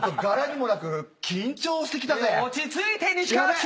落ち着いて西川っち。